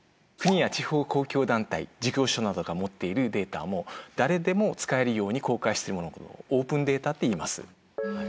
国や地方公共団体事業者などが持っているデータも誰でも使えるように公開してるものをこれをオープンデータっていいます。